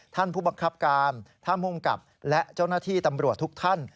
ท่านผู้บังคับการท่านภูมิกับและเจ้าหน้าที่ตำรวจทุกท่าน